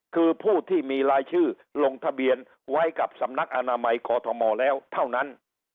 คือผู้ที่มีรายชื่อลงทะเบียนไว้กับสำนักอนามัยกอทมแล้วเท่านั้น